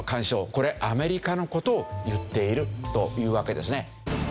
これアメリカの事を言っているというわけですね。